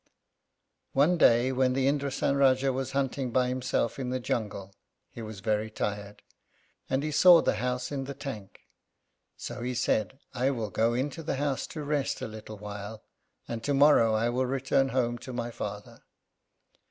One day when the Indrásan Rájá was hunting by himself in the jungle he was very tired, and he saw the house in the tank. So he said, "I will go into that house to rest a little while, and to morrow I will return home to my father."